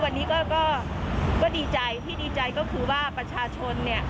วันนี้ก็ดีใจที่ดีใจก็คือว่าประชาชน